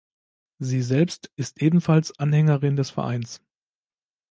Sie selbst ist ebenfalls Anhängerin des Vereins.